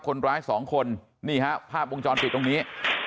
คนร้ายสองคนนี่ฮะภาพวงจรปิดตรงนี้